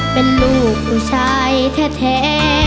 เป็นลูกผู้ชายแท้